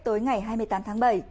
tối ngày hai mươi tám tháng bảy